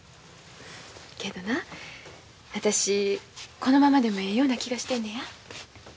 けどな私このままでもええような気がしてるのや。